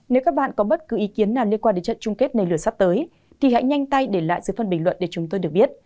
nếu các bạn có bất cứ ý kiến nào liên quan đến trận chung kết này lửa sắp tới thì hãy nhanh tay để lại dưới phần bình luận để chúng tôi được biết